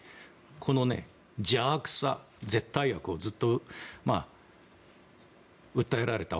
この邪悪さ、絶対悪をずっと訴えられた。